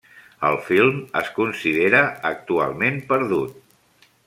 El film es considera actualment perdut.